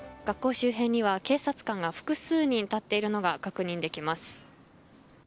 学校周辺には警察官が複数人立っているのが確認できます。